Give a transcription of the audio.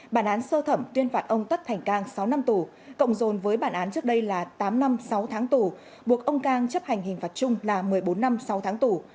bản án sơ thẩm tuyên phạt ông tất thành cang sáu năm tù cộng dồn với bản án trước đây là tám năm sáu tháng tù buộc ông cang chấp hành hình phạt chung là một mươi bốn năm sáu tháng tù